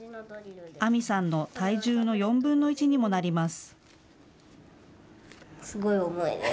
杏美さんの体重の４分の１にもなります。